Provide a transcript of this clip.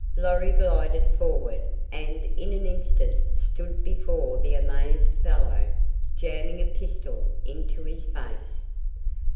Lorry glided forward and in an instant stood before the amazed fellow, jamming a pistol into his face.